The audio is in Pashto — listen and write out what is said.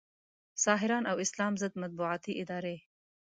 ساحران او اسلام ضد مطبوعاتي ادارې